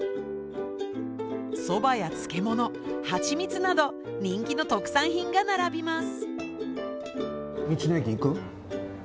そばや漬物ハチミツなど人気の特産品が並びます。